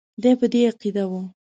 دی په دې عقیده وو.